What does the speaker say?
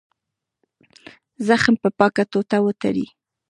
زخم په پاکه ټوټه وتړئ.